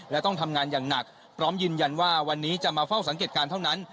และต้องทำงานอย่างหนักพร้อมยืนยันว่าวันนี้จะมาเฝ้าสังเกตการณ์เท่านั้น